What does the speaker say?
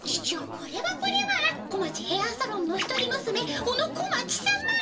これはこれは小町ヘアサロンの一人むすめ小野小町様！